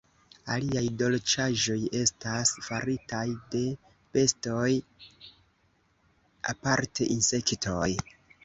Aliaj dolĉaĵoj estas faritaj de bestoj, aparte insektoj.